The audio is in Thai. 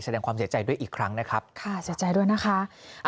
แสดงความเสียใจด้วยอีกครั้งนะครับค่ะเสียใจด้วยนะคะ